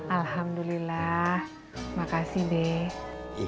alhamdulillah makasih deh